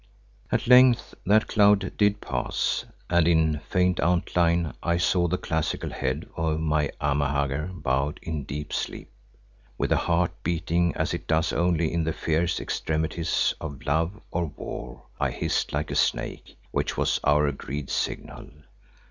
At length that cloud did pass and in faint outline I saw the classical head of my Amahagger bowed in deep sleep. With a heart beating as it does only in the fierce extremities of love or war, I hissed like a snake, which was our agreed signal.